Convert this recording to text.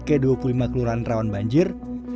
ke dua puluh lima kelurahan rawan banjir